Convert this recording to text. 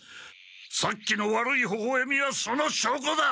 さっきの悪いほほえみはそのしょうこだ！